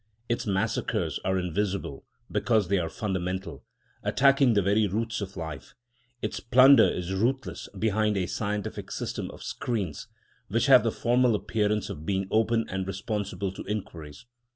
Its massacres are invisible, because they are fundamental, attacking the very roots of life. Its plunder is ruthless behind a scientific system of screens, which have the formal appearance of being open and responsible to inquiries.